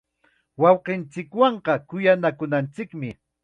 Wawqinchikwanqa kuyanakunanchikmi.